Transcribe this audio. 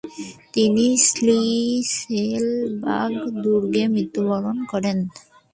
তিনি শ্লিসেলবার্গ দুর্গে মৃত্যুবরণ করেন।